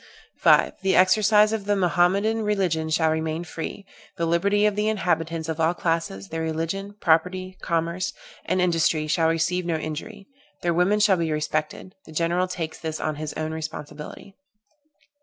"5. The exercise of the Mohammedan religion shall remain free; the liberty of the inhabitants of all classes, their religion, property, commerce, and industry shall receive no injury; their women shall be respected: the general takes this on his own responsibility.